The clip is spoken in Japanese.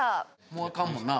もうあかんもんな？